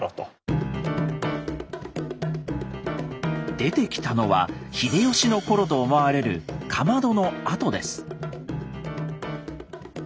出てきたのは秀吉の頃と思われるかまどの跡です。